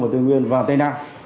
và tây nguyên và tây nam